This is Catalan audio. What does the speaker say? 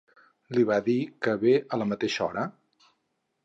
Li va bé dir que ve a la mateixa hora?